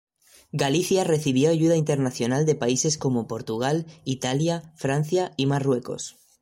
Galicia recibió ayuda internacional de países como Portugal, Italia, Francia y Marruecos.